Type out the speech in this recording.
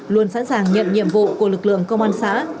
luôn sẵn sàng nhận nhiệm vụ của lực lượng công an xã